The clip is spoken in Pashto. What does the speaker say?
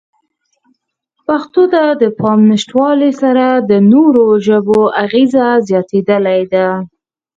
پښتو ته د پام نشتوالې سره د نورو ژبو اغېزه زیاتېدلې ده.